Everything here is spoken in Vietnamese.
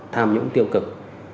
tham nhũng tiêu cực